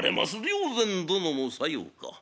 「良然殿もさようか。